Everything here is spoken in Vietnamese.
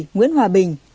bảy nguyễn hòa bình